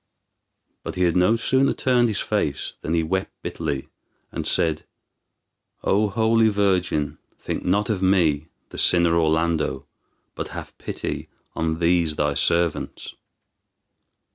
But he had no sooner turned his face than he wept bitterly, and said, "O Holy Virgin, think not of me, the sinner Orlando, but have pity on these thy servants!"